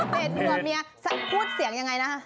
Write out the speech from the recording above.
เผดเบื่อเมียพูดเสียงยังไงนะ